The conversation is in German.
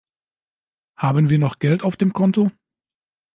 Haben wir noch Geld auf dem Konto?